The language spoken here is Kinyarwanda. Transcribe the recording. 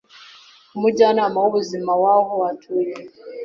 umujyanama w’ubuzima waho atuye